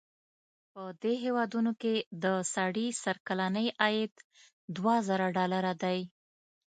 په دې هېوادونو کې د سړي سر کلنی عاید دوه زره ډالره دی.